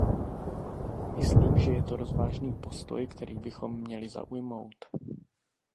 Myslím, že je to rozvážný postoj, který bychom měli zaujmout.